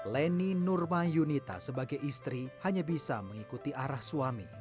leni nurma yunita sebagai istri hanya bisa mengikuti arah suami